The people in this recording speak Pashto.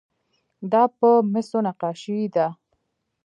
دا په مسو نقاشي ده.